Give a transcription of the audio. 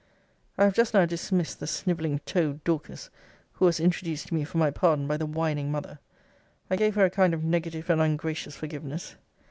]I have just now dismissed the sniveling toad Dorcas, who was introduced to me for my pardon by the whining mother. I gave her a kind of negative and ungracious forgiveness.